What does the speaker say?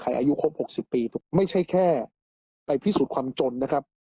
อายุครบ๖๐ปีถูกไม่ใช่แค่ไปพิสูจน์ความจนนะครับ